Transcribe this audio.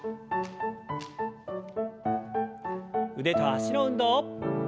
腕と脚の運動。